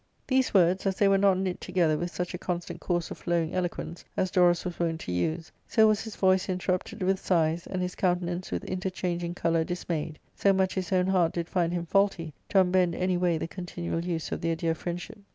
These words, as they were not knit together with such a constant course of flowing eloquence as Dorus was wont to use, so was his voice interrupted with sighs, and his coun* tenance with interchanging colour dismayed ; so much his own heart did find him faulty to unbend any way the con tinual use of their dear friendship.